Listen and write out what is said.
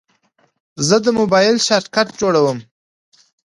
زه د موبایل شارټکټ جوړوم.